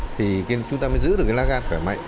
thì chúng ta mới giữ được cái lá gan khỏe mạnh